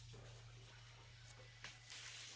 ya udah deh